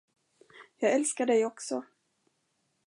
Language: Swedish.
Jag älskar dig också.